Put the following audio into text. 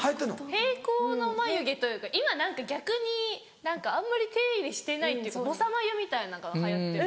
平行の眉毛というか今何か逆に何かあんまり手入れしてないっていうかぼさ眉みたいのが流行ってる。